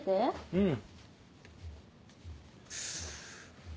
うん。